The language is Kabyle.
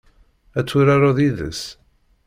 Ad turareḍ yid-s?